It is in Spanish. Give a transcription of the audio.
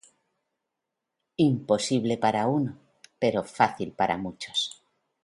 Imposible para uno pero fácil para muchos.